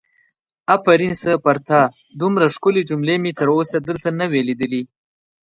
آفرین سه پر تا دومره ښکلې جملې مې تر اوسه دلته نه وي لیدلې!